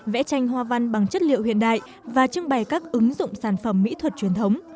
vẽ tranh hoa văn bằng chất liệu hiện đại và trưng bày các ứng dụng sản phẩm mỹ thuật truyền thống